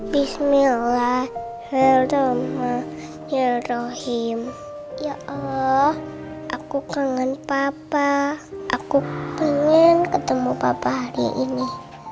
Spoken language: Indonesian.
bismillahirrohmanirrohim ya allah aku kangen papa aku pengen ketemu papa hari ini